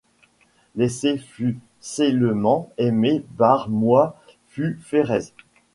Laissez fûs seilement aimer bar moi, fus ferrez.